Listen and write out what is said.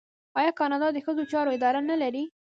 آیا کاناډا د ښځو چارو اداره نلري؟